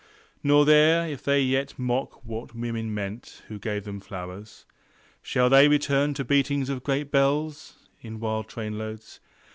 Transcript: Nor there if they yet mock what women meant Who gave them flowers. Shall they return to beatings of great bells In wild trainloads?